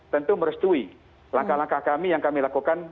tentu merestui langkah langkah kami yang kami lakukan